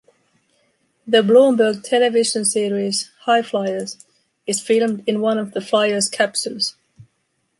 The Bloomberg Television series "High Flyers" is filmed in one of the Flyer's capsules.